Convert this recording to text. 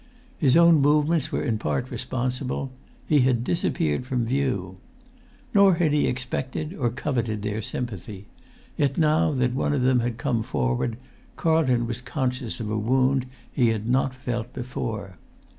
His own movements were in part responsible: he had disappeared from view. Nor had he expected or coveted their sympathy; yet, now that one of them had come forward, Carlton was conscious of a wound he had not felt before.